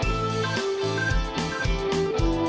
มีอย่างไรบ้างครับ